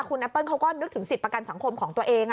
คุณแอปเปิ้ลเขาก็นึกถึงสิทธิ์ประกันสังคมของตัวเอง